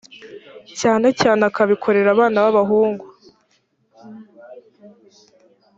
cyane cyane akabikorera abana b abahungu